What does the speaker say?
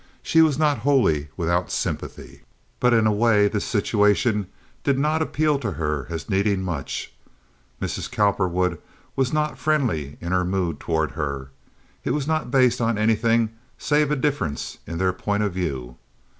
She was not wholly without sympathy, but in a way this situation did not appeal to her as needing much. Mrs. Cowperwood was not friendly in her mood toward her. It was not based on anything save a difference in their point of view.